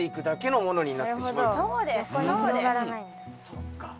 そっか。